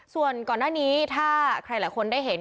ส่วนก่อนหน้านี้ถ้าใครหลายคนได้เห็น